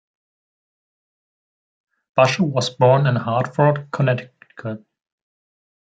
Basche was born in Hartford, Connecticut.